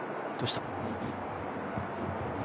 どうした？